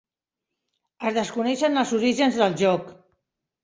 Es desconeixen els orígens del joc.